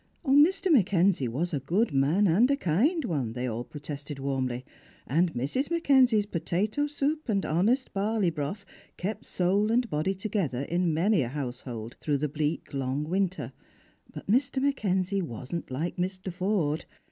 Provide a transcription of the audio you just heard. Mr. McKenzie was a good man and a kind, they all protested warmly ; and Mrs, McKenzie's potato soup and honest barley broth kept soul and body together in many a household through the bleak long winter; but Mr. McKenzie wasn't like Mr. Forde.